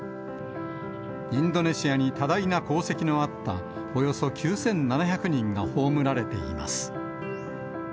インドネシアに多大な功績のあった、およそ９７００人が葬られています。